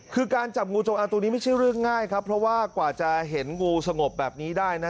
คือการจับงูจงอางตัวนี้ไม่ใช่เรื่องง่ายครับเพราะว่ากว่าจะเห็นงูสงบแบบนี้ได้นะ